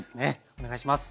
お願いします。